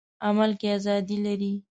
عمل کې ازادي لري.